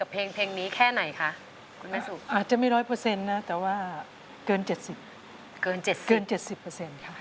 เพลงนี้แค่ไหนคะอาจจะไม่ร้อยเปอร์เซ็นต์นะแต่ว่าเกิน๗๐เปอร์เซ็นต์